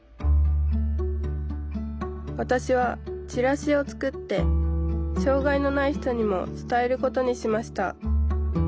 わたしはチラシを作って障害のない人にも伝えることにしました。